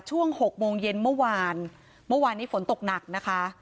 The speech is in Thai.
หกโมงเย็นเมื่อวานเมื่อวานนี้ฝนตกหนักนะคะ